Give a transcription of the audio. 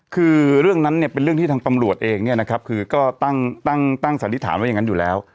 คือเรื่องนั้นเนี่ยเป็นเรื่องที่ทางตำรวจเองเนี่ยนะครับคือก็ตั้งสันนิษฐานไว้อย่างนั้นอยู่แล้ว